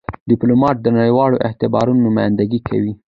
ډيپلومات د نړېوال اعتبار نمایندګي کوي.